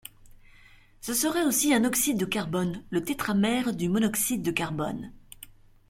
Ce serait aussi un oxyde de carbone, le tétramère du monoxyde de carbone.